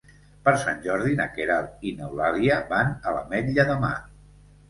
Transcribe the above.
Per Sant Jordi na Queralt i n'Eulàlia van a l'Ametlla de Mar.